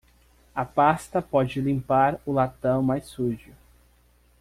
A pasta pode limpar o latão mais sujo.